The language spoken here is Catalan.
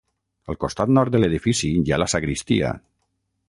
Al costat nord de l'edifici hi ha la sagristia.